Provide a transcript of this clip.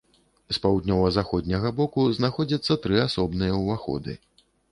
З паўднёва-заходняга боку знаходзіцца тры асобныя уваходы.